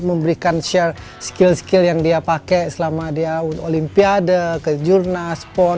memberikan skill skill yang dia pakai selama dia olimpiade ke jurnal spawn